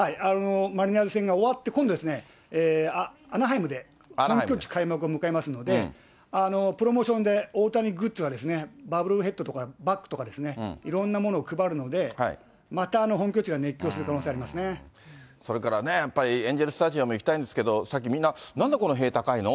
マリナーズ戦が終わって、今度ですね、アナハイムで本拠地開幕を迎えますので、プロモーションで大谷グッズが、バブルヘッドとかバッグとか、いろんなものを配るので、また本拠それからね、エンジェルスタジアムに行きたいんですけれども、さっき、みんな、なんでこんな塀高いの？